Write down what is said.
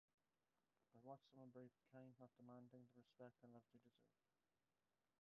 I watched someone brave and kind not demanding the respect and love they deserved.